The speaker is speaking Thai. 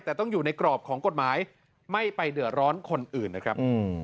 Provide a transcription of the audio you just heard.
แต่ต้องอยู่ในกรอบของกฎหมายไม่ไปเดือดร้อนคนอื่นนะครับ